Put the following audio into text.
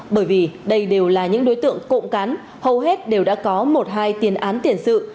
bởi vì đây đều là những đối tượng cộng cán hầu hết đều đã có một hai tiền án tiền sự